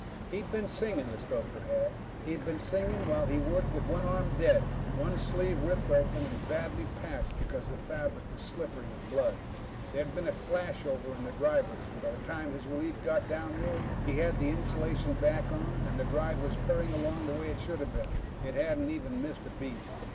He'd been singing, the stoker had. He'd been singing while he worked with one arm dead, one sleeve ripped open and badly patched because the fabric was slippery with blood. There'd been a flashover in the drivers. By the time his relief got down there, he had the insulation back on, and the drive was purring along the way it should have been. It hadn't even missed a beat.